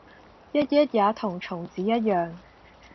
——也同蟲子一樣，